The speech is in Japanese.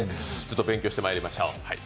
勉強してまいりましょう。